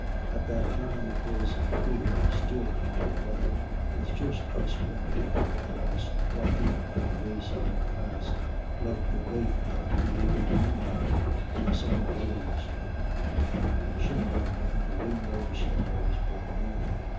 At that time it was clear, still autumn weather, with just a sprinkle of frost white on the wayside grass, like the wraith of belated moonlight, when the sun rose, and shimmering into rainbow stars by noon.